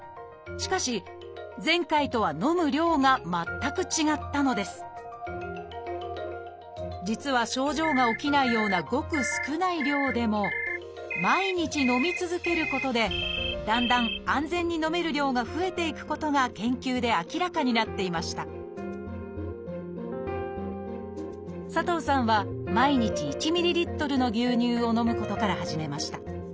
しかし前回とは飲む量が全く違ったのです実は症状が起きないようなごく少ない量でも毎日飲み続けることでだんだん安全に飲める量が増えていくことが研究で明らかになっていました佐藤さんは毎日１ｍＬの牛乳を飲むことから始めました。